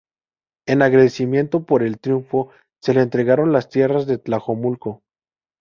En agradecimiento por el triunfo se les entregaron las tierras de Tlajomulco.